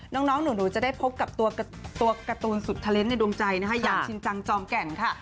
น้องหนูจะได้พบกับตัวการ์ตูนสุดเทลนด์ในดวงใจนะคะอย่างชินจังจอมแก่นค่ะ